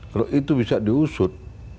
kalau itu bisa diusut